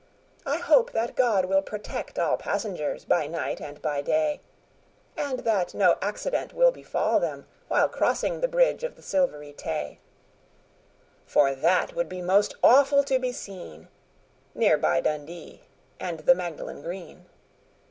I hope that God will protect all passengers By night and by day, And that no accident will befall them while crossing The Bridge of the Silvery Tay, For that would be most awful to be seen Near by Dundee and the Magdalen Green.